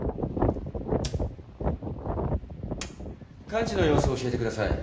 患児の様子教えてください。